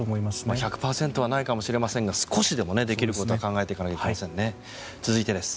１００％はないかもしれませんが少しでもできることは考えていかないといけないですね。